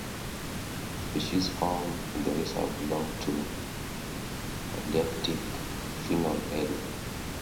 Species found in the reserve belong to Palearctic faunal area.